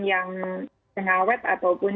yang pengawet ataupun